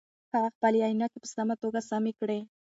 هغه خپلې عینکې په سمه توګه سمې کړې.